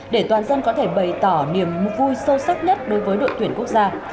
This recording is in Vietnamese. để toàn dân có thể bày tỏ niềm vui sâu sắc nhất đối với đội tuyển quốc gia